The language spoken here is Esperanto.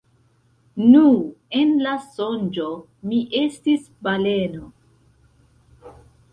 Nun, en la sonĝo, mi estis baleno.